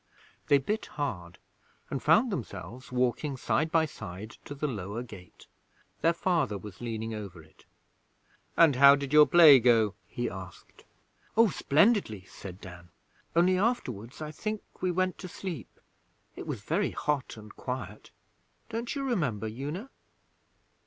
They bit hard, and found themselves walking side by side to the lower gate. Their father was leaning over it. 'And how did your play go?' he asked. 'Oh, splendidly,' said Dan. 'Only afterwards, I think, we went to sleep. it was very hot and quiet. Don't you remember, Una?'